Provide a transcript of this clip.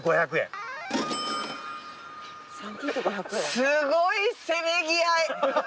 すごいせめぎ合い。